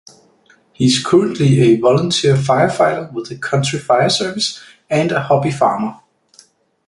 He's currently a volunteer fire-fighter with the Country Fire Service and a hobby farmer.